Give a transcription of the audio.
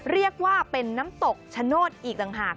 เรียกว่าเป็นน้ำตกชะโนธอีกต่างหาก